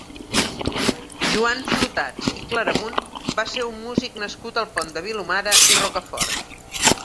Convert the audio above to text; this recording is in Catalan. Joan Flotats i Claramunt va ser un músic nascut al Pont de Vilomara i Rocafort.